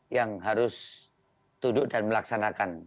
yang harus tunduk dan melaksanakan